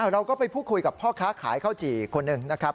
เราก็ไปพูดคุยกับพ่อค้าขายข้าวจี่คนหนึ่งนะครับ